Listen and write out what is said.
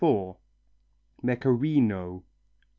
Mecherino